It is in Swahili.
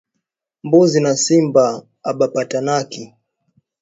Mbuzi na simba aba patanaki